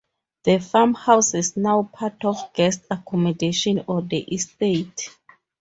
The farmhouse is now part of guest accommodation on the estate.